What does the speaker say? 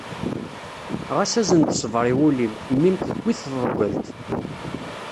Ɣas azen-d ṣṣber i wul-im, mmi-m tewwi-t tḍeggalt.